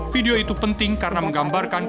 video itu penting karena menggambarkan